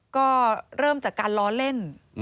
ก็เริ่มจากการล้อเล่น